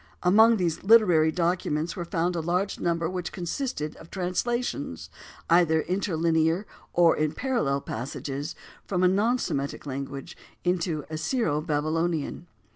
Among these literary documents were found a large number which consisted of translations, either interlinear or in parallel passages, from a non Semitic language into Assyro Babylonian.